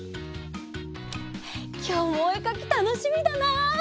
きょうもおえかきたのしみだな！